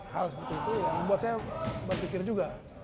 hal sebetul betul yang membuat saya berpikir juga